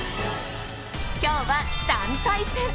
今日は団体戦。